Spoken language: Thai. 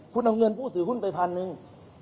คุณเอาเงินผู้ถือหุ้นไปพันหนึ่ง